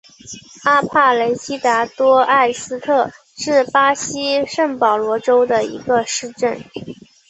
阿帕雷西达多埃斯特是巴西圣保罗州的一个市镇。